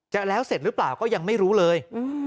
แล้วเสร็จหรือเปล่าก็ยังไม่รู้เลย